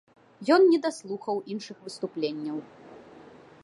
Ён недаслухаў іншых выступленняў.